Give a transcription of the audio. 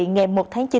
ngày một tháng chín